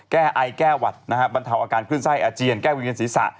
แก้ไอแก้หวัดบรรเทาอาการคลื่นไส้อาเจียนแก้วิเวณศีรษะ